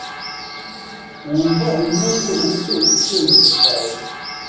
Wumva umeze ute ku cyemezo cyawe?